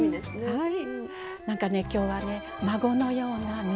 はい！